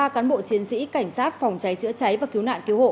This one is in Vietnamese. ba cán bộ chiến sĩ cảnh sát phòng cháy chữa cháy và cứu nạn cứu hộ